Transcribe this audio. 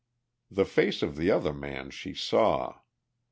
The face of the other man she saw.